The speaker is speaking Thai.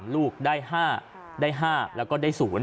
ลูกได้๕ได้๕แล้วก็ได้๐